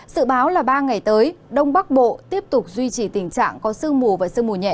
sự báo là ba ngày tới đông bắc bộ tiếp tục duy trì tình trạng có sương mù và sương mù nhẹ